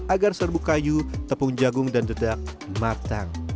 agar serbuk kayu tepung jagung dan dedak matang